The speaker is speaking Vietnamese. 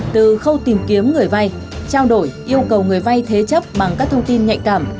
từ khâu tìm kiếm người vay trao đổi yêu cầu người vay thế chấp bằng các thông tin nhạy cảm